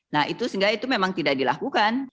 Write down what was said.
nah itu sehingga itu memang tidak dilakukan